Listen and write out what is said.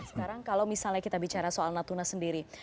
sekarang kalau misalnya kita bicara soal natuna sendiri